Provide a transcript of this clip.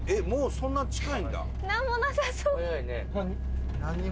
もうそんな近いんだ。